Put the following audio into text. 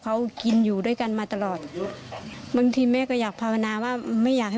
เขากินอยู่ด้วยกันมาตลอดบางทีแม่ก็อยากภาวนาว่าไม่อยากให้